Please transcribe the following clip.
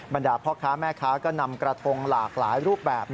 บรรดาพ่อค้าแม่ค้าก็นำกระทงหลากหลายรูปแบบ